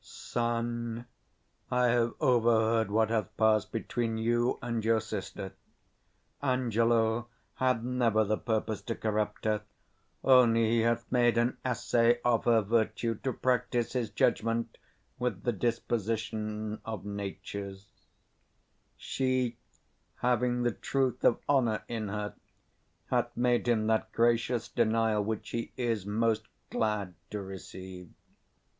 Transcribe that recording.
_ Son, I have overheard what hath passed between you and your sister. Angelo had never the purpose to corrupt her; only he hath made an assay of her virtue to practise his judgement with the disposition of natures: she, having the truth of honour in her, hath made him that 160 gracious denial which he is most glad to receive.